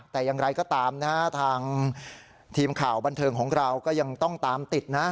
แต่อย่างไรก็ตามนะฮะทางทีมข่าวบันเทิงของเราก็ยังต้องตามติดนะ